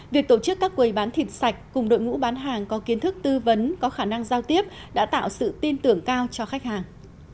việc tổ chức các quầy bán thịt sạch cùng đội ngũ bán hàng có kiến thức tư vấn có khả năng giao tiếp đã tạo sự tin tưởng cao cho khách hàng